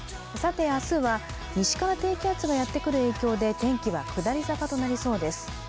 明日は西から低気圧がやってくる影響で天気は下り坂となりそうです。